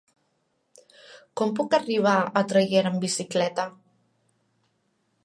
Com puc arribar a Traiguera amb bicicleta?